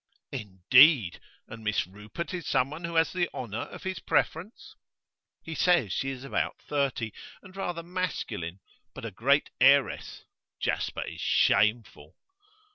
'Indeed! And Miss Rupert is someone who has the honour of his preference?' 'He says she is about thirty, and rather masculine, but a great heiress. Jasper is shameful!